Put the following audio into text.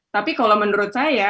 tapi kalau menurut saya